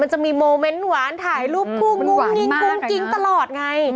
มันจะมีโมเมนต์หวานถ่ายรูปคู่งุ้งงิ้งกุ้งกิ๊งตลอดไง